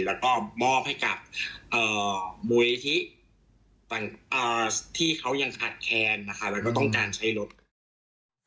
แล้วก็มอบให้กับมูลนิธิที่เขายังขาดแคลนนะคะแล้วก็ต้องการใช้รถ